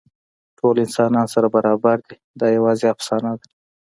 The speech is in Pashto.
ټول انسانان سره برابر دي، دا یواځې افسانه ده.